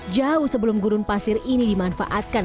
jauh sebelum gurun pasir ini dimanfaatkan